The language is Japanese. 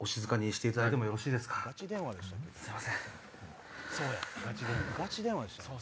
すいません。